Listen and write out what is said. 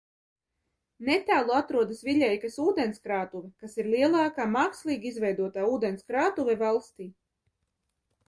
Netālu atrodas Viļejkas ūdenskrātuve, kas ir lielākā mākslīgi izveidotā ūdenskrātuve valstī.